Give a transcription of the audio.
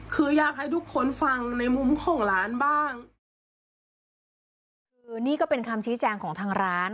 คืออยากให้ทุกคนฟังในมุมของร้านบ้างคือนี่ก็เป็นคำชี้แจงของทางร้าน